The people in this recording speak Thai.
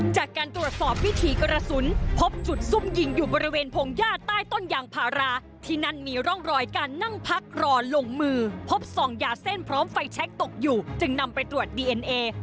จากการตรวจสอบวิถีกระสุนพบจุดซุ่มยิงอยู่บริเวณพงหญ้าใต้ต้นยางพาราที่นั่นมีร่องรอยการนั่งพักรอลงมือพบซองยาเส้นพร้อมไฟแชคตกอยู่จึงนำไปตรวจดีเอ็นเอ